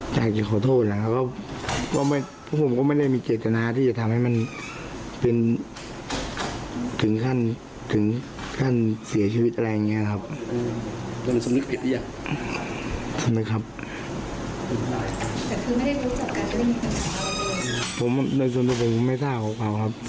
อยากจะขอโทษผมก็ไม่ได้มีเกตนาที่จะทำให้มันถึงขั้นเสียชีวิตอะไรอย่างนี้ครับ